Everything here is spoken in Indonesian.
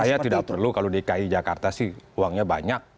saya tidak perlu kalau dki jakarta sih uangnya banyak